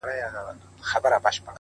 د حقیقت لاره وجدان آراموي’